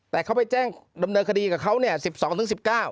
แต่เขาไปแจ้งดำเนินคดีกับเขาเนี่ย๑๒๑๙